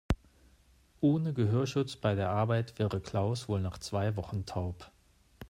Ohne Gehörschutz bei der Arbeit wäre Klaus wohl nach zwei Wochen taub.